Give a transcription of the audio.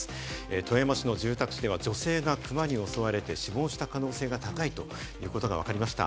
富山市の住宅地では女性がクマに襲われて死亡した可能性が高いということがわかりました。